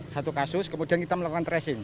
satu kasus kemudian kita melakukan tracing